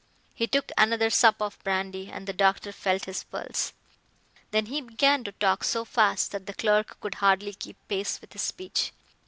He took another sup of brandy and the doctor felt his pulse. Then he began to talk so fast that the clerk could hardly keep pace with his speech.